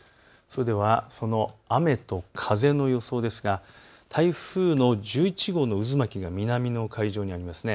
その雨と風の予想ですが台風の１１号の渦巻きが南の海上にあります。